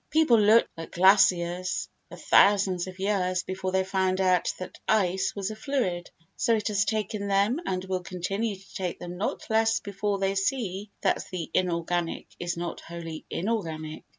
People looked at glaciers for thousands of years before they found out that ice was a fluid, so it has taken them and will continue to take them not less before they see that the inorganic is not wholly inorganic.